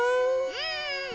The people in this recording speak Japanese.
うん！